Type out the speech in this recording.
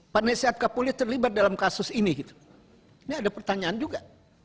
penasihat kapolri terlibat dalam kasus ini ini ada pertanyaan juga